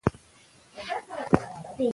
امیر دوست محمد خان یو زړور سړی و.